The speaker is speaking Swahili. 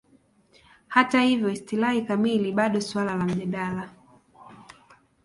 Hata hivyo, istilahi kamili bado suala la mjadala.